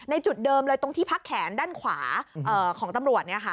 จุดเดิมเลยตรงที่พักแขนด้านขวาของตำรวจ